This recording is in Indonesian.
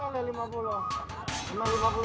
tadi ngomong kembali lima puluh